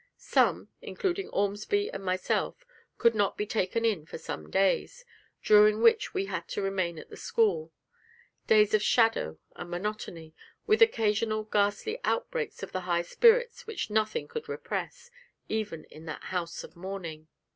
Some, including Ormsby and myself, could not be taken in for some days, during which we had to remain at the school: days of shadow and monotony, with occasional ghastly outbreaks of the high spirits which nothing could repress, even in that house of mourning.